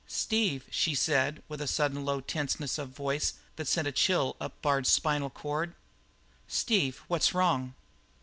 "Steve," she said, with a sudden low tenseness of voice that sent a chill up Bard's spinal cord, "Steve, what's wrong?"